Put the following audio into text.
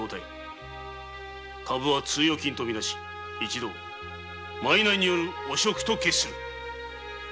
株は通用金とみなし一同ワイロによる「汚職」と決する！